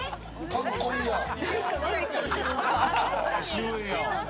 かっこいいやん！